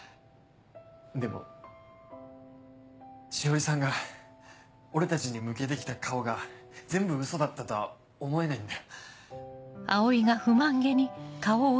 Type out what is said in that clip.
でも詩織さんが俺たちに向けて来た顔が全部ウソだったとは思えないんだ。